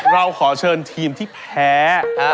เราขอเชิญทีมที่แพ้